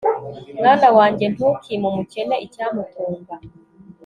mwana wanjye, ntukime umukene icyamutunga